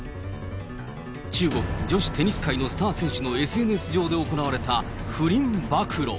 中国女子テニス界のスター選手のＳＮＳ上で行われた不倫暴露。